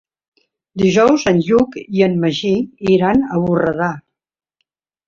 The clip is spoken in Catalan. Dijous en Lluc i en Magí iran a Borredà.